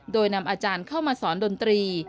โดยนำอาจารย์เข้ามาสอนดนตรี